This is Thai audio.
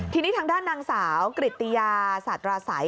ทีนี้ทางด้านนางสาวกริตติยาสาตราศัย